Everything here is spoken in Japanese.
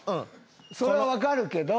それは分かるけど。